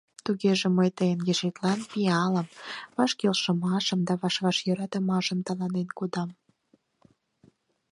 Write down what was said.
— Тугеже мый тыйын ешетлан пиалым, ваш келшымашым да ваш йӧратымашым тыланен кодам.